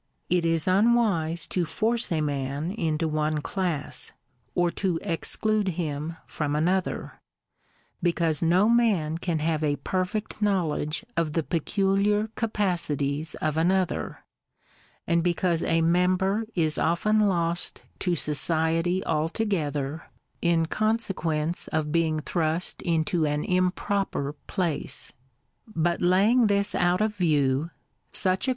It is univise to force a man into one class, or to exclude him from another; because no man can have a perfect knowledge of the peculiar capacities of another, and because a member is often lost to society altogether, in !VUK III. consequence of being thrust into an hnproper place. Hut laying this out of new, Buch a.